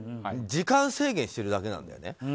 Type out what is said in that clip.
時間制限してるだけなんだよね。